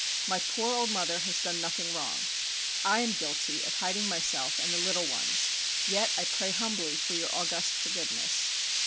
My poor old mother has done nothing wrong. I am guilty of hiding myself and the little ones, yet I pray humbly for your august forgiveness."